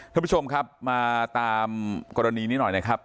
ท่านผู้ชมครับมาตามกรณีนี้หน่อยนะครับ